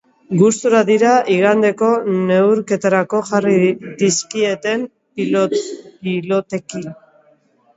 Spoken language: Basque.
Gustura dira igandeko neurketarako jarri dizkieten pilotekin.